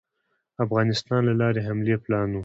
د افغانستان له لارې حملې پلان وو.